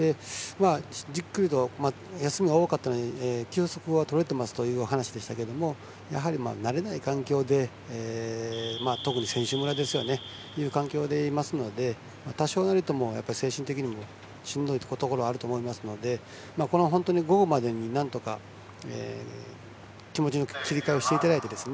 じっくりと休みが多かったので休息はとれていますという話でしたけれどもやはり、慣れない環境で特に選手村というそういう環境にいますので多少なりとも精神的にもしんどいところはあると思いますので午後までになんとか気持ちの切り替えをしていただいて。